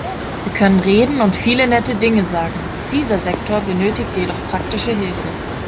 Wir können reden und viele nette Dinge sagen, dieser Sektor benötigt jedoch praktische Hilfe.